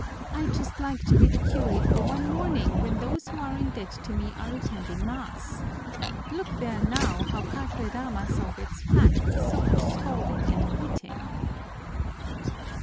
I'd just like to be the curate for one morning when those who are in debt to me are attending mass! Look there now, how Padre Damaso gets fat with so much scolding and beating."